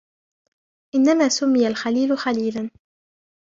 إنَّمَا سُمِّيَ الْخَلِيلُ خَلِيلًا